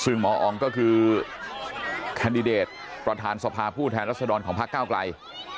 ซึ่งหมออองก็คือแคนดิเดตประธานสภาผู้แทนรัศดรของพระเก้าไกล